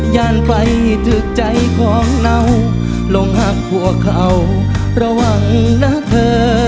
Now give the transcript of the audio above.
ยานไปถึงใจของเราลงหักพวกเขาระวังนะเธอ